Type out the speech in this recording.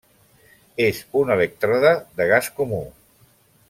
És un elèctrode de gas comú.